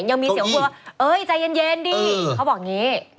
ยังมีเสียงหัวเอ้ยใจเย็นดิเขาบอกอย่างนี้